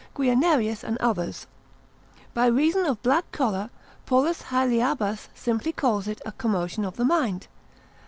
Guianerius, and others: By reason of black choler, Paulus adds. Halyabbas simply calls it a commotion of the mind.